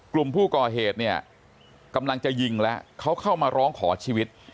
กลุ่มผู้ก่อเหตุเนี่ยกำลังจะยิงแล้วเขาเข้ามาร้องขอชีวิต